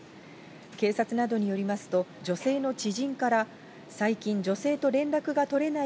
警察などによりますと、女性の知人から最近女性と連絡が取れない